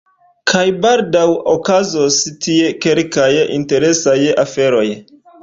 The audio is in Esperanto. Kaj baldaŭ okazos tie kelkaj interesaj aferoj.